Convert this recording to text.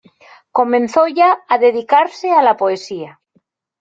Comenzó ya a dedicarse a la poesía.